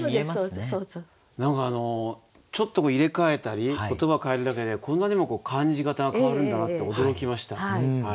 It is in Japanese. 何かあのちょっと入れ替えたり言葉を変えるだけでこんなにも感じ方が変わるんだなって驚きました。